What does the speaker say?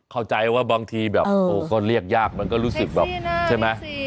เข้าใจว่าบางทีแบบโอ้ก็เรียกยากมันก็รู้สึกแบบใช่ไหม